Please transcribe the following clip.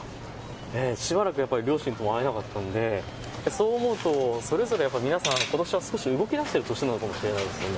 しばらく、やっぱり両親とも会えなかったのでそう思うとそれぞれ皆さんことしは少し、動きだしている年なのかもしれませんね。